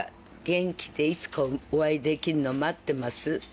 元気でいつかお会いできるの待ってます。